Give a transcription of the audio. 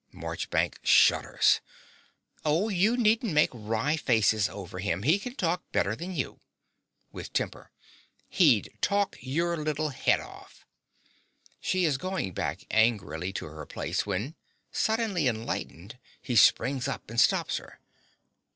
(Marchbanks shudders.) Oh, you needn't make wry faces over him: he can talk better than you. (With temper.) He'd talk your little head off. (She is going back angrily to her place, when, suddenly enlightened, he springs up and stops her.)